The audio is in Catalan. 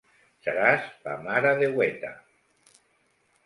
Seràs la Maredeueta.